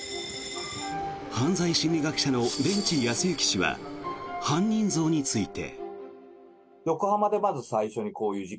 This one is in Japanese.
犯罪心理学者の出口保行氏は犯人像について。